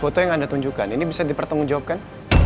foto yang anda tunjukkan ini bisa dipertanggung jawabkan